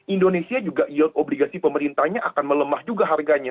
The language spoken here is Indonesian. indonesia juga yield obligasi pemerintahnya akan melemah juga harganya